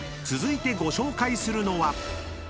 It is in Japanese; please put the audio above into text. ［続いてご紹介するのは］